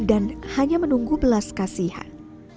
dan hanya menunggu belas kasihan